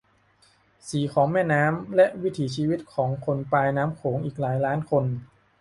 สีของแม่น้ำ และวิถีชีวิตของคนปลายน้ำโขงอีกหลายล้านคน